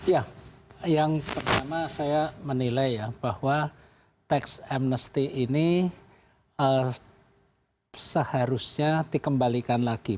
ya yang pertama saya menilai ya bahwa tax amnesty ini seharusnya dikembalikan lagi